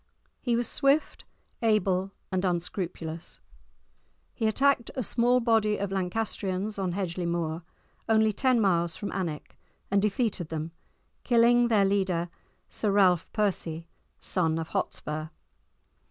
He was swift, able, and unscrupulous. He attacked a small body of Lancastrians on Hedgeley Moor, only ten miles from Alnwick, and defeated them, killing their leader, Sir Ralph Percy, son of Hotspur.